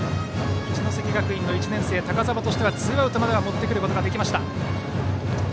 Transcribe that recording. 一関学院の１年生高澤としてはツーアウトまでは持ってくることができました。